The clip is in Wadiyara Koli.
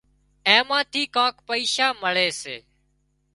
اين مان ٿي ڪانڪ پئيشا مۯي سي